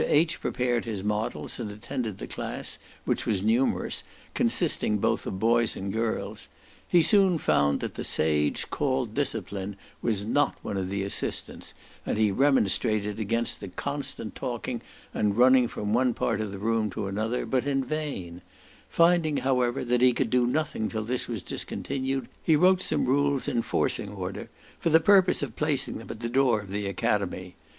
H. prepared his models, and attended the class, which was numerous, consisting both of boys and girls. He soon found that the "sage called Decipline" was not one of the assistants, and he remonstrated against the constant talking, and running from one part of the room to another, but in vain; finding, however, that he could do nothing till this was discontinued, he wrote some rules, enforcing order, for the purpose of placing them at the door of the academy.